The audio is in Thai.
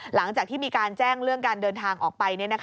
หลังจากที่มีการแจ้งเรื่องการเดินทางออกไป